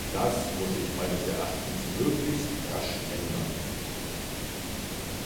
Das muss sich meines Erachtens möglichst rasch ändern.